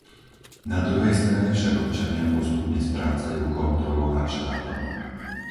Na druhej strane však občania postupne strácajú kontrolu nad štátom.